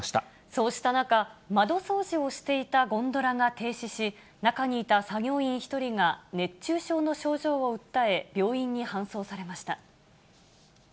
そうした中、窓掃除をしていたゴンドラが停止し、中にいた作業員１人が熱中症の症状を訴え、病院に搬送されました。